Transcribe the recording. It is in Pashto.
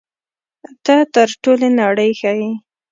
ته تر ټولې نړۍ ښه یې.